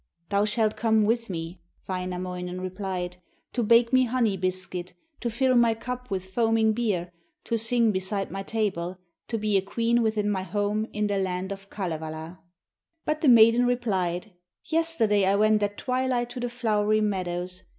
'Thou shalt come with me,' Wainamoinen replied, 'to bake me honey biscuit, to fill my cup with foaming beer, to sing beside my table, to be a queen within my home in the land of Kalevala.' But the maiden replied: 'Yesterday I went at twilight to the flowery meadows.